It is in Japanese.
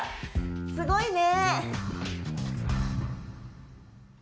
すごいね。